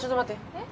えっ？